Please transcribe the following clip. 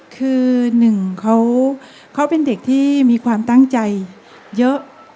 คือหนึ่งเขาเป็นเด็กที่มีความตั้งใจเยอะ